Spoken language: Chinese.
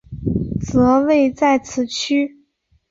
则位在此区。